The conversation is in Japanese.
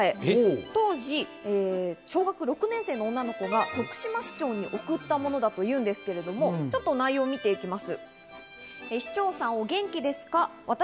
当時、小学６年生の女の子が徳島市長に送ったものだというんですけれども内容を見ていきます。